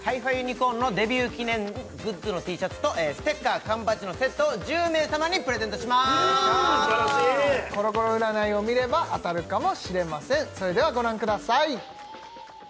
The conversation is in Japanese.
ｃｏｒｎのデビュー記念グッズのＴシャツとステッカー缶バッジのセットを１０名様にプレゼントします素晴らしいコロコロ占いを見れば当たるかもしれませんそれではご覧ください